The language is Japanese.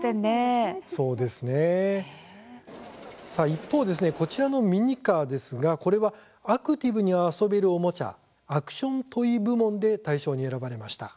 一方、こちらのミニカーですがこれはアクティブに遊べるおもちゃアクション・トイ部門で大賞に選ばれました。